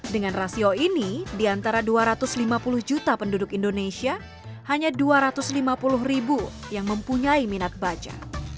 dengan rasio ini di antara dua ratus lima puluh juta penduduk indonesia hanya dua ratus lima puluh ribu yang mempunyai minat baca